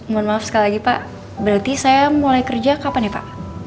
mohon maaf sekali lagi pak berarti saya mulai kerja kapan ya pak